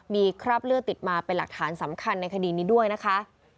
มีคราบเลือดติดมาเป็นหลักฐานสำคัญในคดีนี้ด้วยนะคะ